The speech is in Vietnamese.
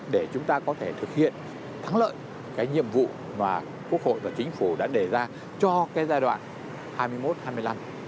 để chúng ta có thể thực hiện thắng lợi cái nhiệm vụ mà quốc hội và chính phủ đã đề ra cho cái giai đoạn hai mươi một hai mươi năm